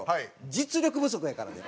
実力不足やからね。